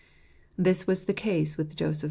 This was the case with Joseph!